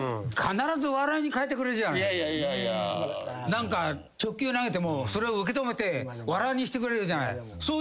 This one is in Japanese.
何か直球投げてもそれを受け止めて笑いにしてくれるじゃない。